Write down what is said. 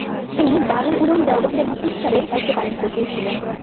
তিনি দারুল উলুম দেওবন্দের মুফতি হিসাবে দায়িত্ব পালন করেছিলেন।